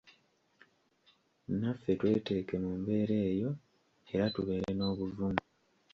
Naffe tweteeke mu mbeera eyo era tubeere n'obuvumu.